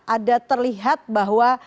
ada terlihat bahwa